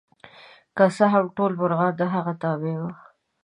که څه هم ټول مرغان د هغه تابع وو.